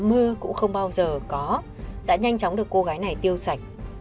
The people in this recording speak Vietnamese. mưa cũng không bao giờ có đã nhanh chóng được cô gái này tiêu sạch